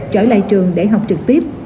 trở lại trường để học trực tiếp